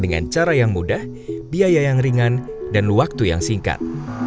dengan cara yang mudah biaya yang ringan dan waktu yang singkat